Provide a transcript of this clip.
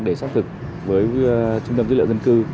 để xác thực với trung tâm dữ liệu dân cư